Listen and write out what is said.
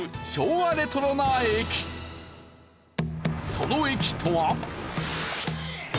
その駅とは。